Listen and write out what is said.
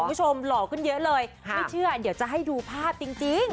หล่อขึ้นเยอะเลยไม่เชื่อเดี๋ยวจะให้ดูภาพจริง